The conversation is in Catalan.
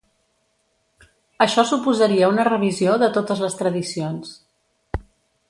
Això suposaria una revisió de totes les tradicions.